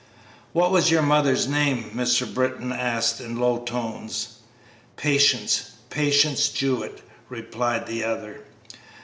"What was your mother's name?" Mr. Britton asked, in low tones. "Patience Patience Jewett," replied the other.